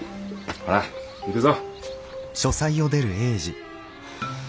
ほら行くぞ。